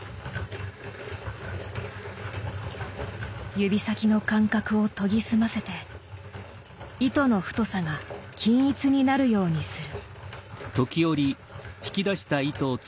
指先の感覚を研ぎ澄ませて糸の太さが均一になるようにする。